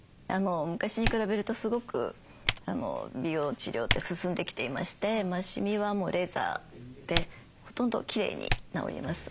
昔に比べるとすごく美容治療って進んできていましてシミはもうレーザーでほとんどきれいに治ります。